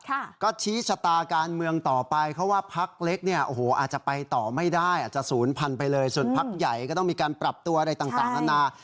ก็ชี้ชะตาการเมืองต่อไปเพราะว่าพักเล็กเนี่ยโอ้โหอาจจะไปต่อไม่ได้อาจจะศูนย์พันไปเลยส่วนพักใหญ่ก็ต้องมีการปรับตัวอะไรต่างต่างนานา